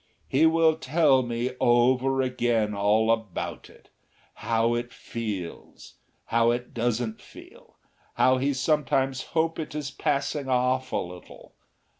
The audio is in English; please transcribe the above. He will tell me over again all about it, how it feels, how it doesn't feel, how he sometimes hopes it is passing off a little.